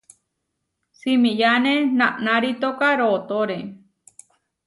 Simiyáne naʼnarítoka rootóre.